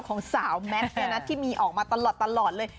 ของสาวแมทที่มีออกมาตลอดเลย